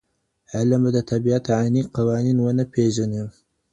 علم به د طبیعت عيني قوانین ونه پېژني.